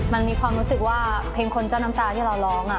มันมีความรู้สึกว่าเพลงคนเจ้าน้ำตาที่เราร้อง